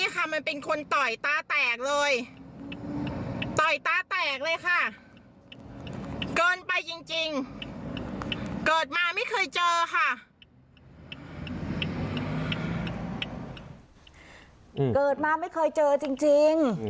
เกิดมาไม่เคยเจอจริง